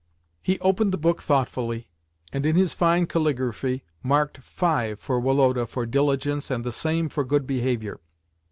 He opened the book thoughtfully, and in his fine caligraphy marked five for Woloda for diligence, and the same for good behaviour.